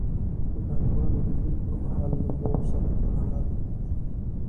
د طالبانو رژیم پر مهال له مور سره کاناډا ته ولاړل.